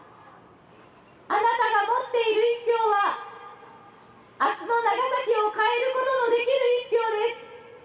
あなたが持っている一票は明日の長崎を変えることのできる一票です。